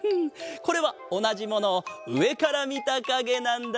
これはおなじものをうえからみたかげなんだ。